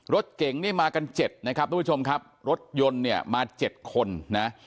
รถเก๋งนี่มากัน๗นะครับทุกผู้ชมครับรถยนต์เนี่ยมา๗คนนะ